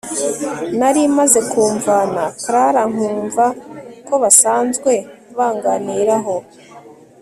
nari maze kumvana Clara nkumva ko basanzwe banganiraho